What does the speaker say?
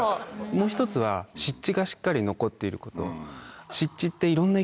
もう１つは湿地がしっかり残っていること。